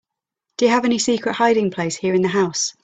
Do you have any secret hiding place here in the house?